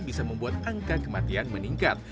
bisa membuat angka kematian meningkat